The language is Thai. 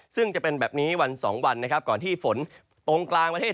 ซึ่งจะเป็นแบบนี้วันสองวันนะครับก่อนที่ฝนตรงกลางประเทศ